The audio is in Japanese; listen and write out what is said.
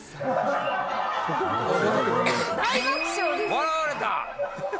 笑われた！